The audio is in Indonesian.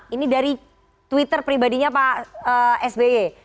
ini dari twitter pribadinya pak sby